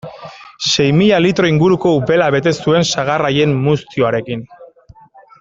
Sei mila litro inguruko upela bete zuen sagar haien muztioarekin.